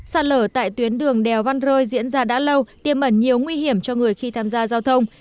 sạt lở tại tuyến đường đèo văn rôi diễn ra đã lâu tiêm ẩn nhiều nguy hiểm cho người khi tham gia giao thông